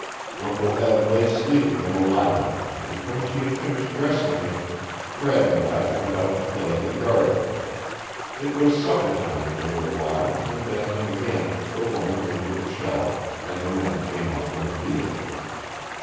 Uncle Eb lay sleeping on the lounge and when she had finished dressing me, Fred and I went out to play in the garden. It was supper time in a little while and then, again, the woman winded the shell and the men came up from the field.